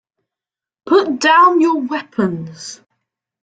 Put down your weapons.